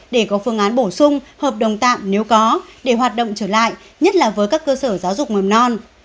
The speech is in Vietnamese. để có phương án bổ sung hợp đồng tạm nếu có để hoạt động trở lại nhất là với các cơ sở giáo dục mầm non